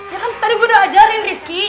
ya kan tadi gue udah ajarin rizky